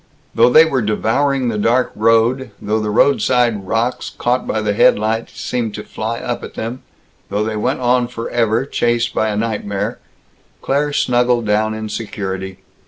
Though they were devouring the dark road, though roadside rocks, caught by the headlights, seemed to fly up at them, though they went on forever, chased by a nightmare, Claire snuggled down in security.